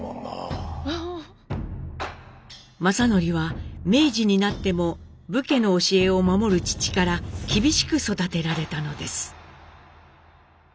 正徳は明治になっても武家の教えを守る父から厳しく育てられたのです。